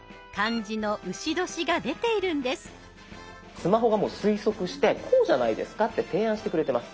スマホがもう推測してこうじゃないですかって提案してくれてます。